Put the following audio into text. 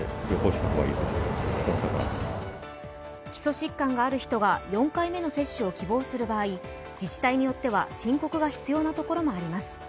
基礎疾患がある人が４回目の接種を希望する場合、自治体によっては申告が必要なところもあります。